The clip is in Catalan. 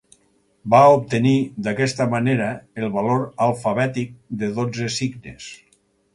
Va obtenir d'aquesta manera el valor alfabètic de dotze signes.